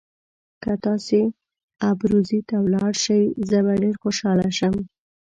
که تاسي ابروزي ته ولاړ شئ زه به ډېر خوشاله شم.